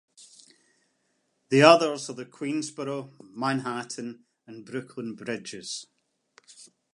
The others are the Queensboro, Manhattan, and Brooklyn Bridges.